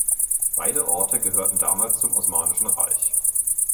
Beide Orte gehörten damals zum Osmanischen Reich.